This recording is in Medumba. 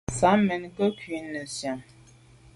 Sàm mèn ke’ ku’ nesian.